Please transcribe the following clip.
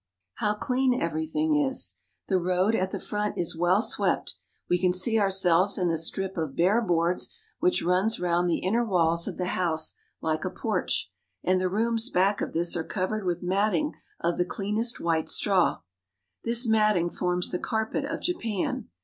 How clean everything is ! The road at the front is well swept. We can see ourselves in the strip of bare boards which runs round the inner walls of the house like a porch, and the rooms back of this are covered with matting of the cleanest white straw. This matting forms the carpet of Japan.